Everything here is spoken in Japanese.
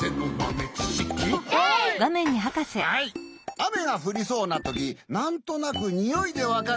はい「あめがふりそうなときなんとなくにおいでわかる！」